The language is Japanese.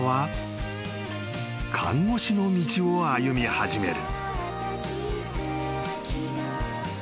［看護師の道を歩み始める］